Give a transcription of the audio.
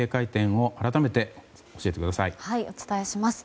はい、お伝えします。